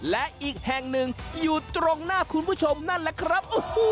และอีกแห่งหนึ่งอยู่ตรงหน้าคุณผู้ชมนั่นแหละครับ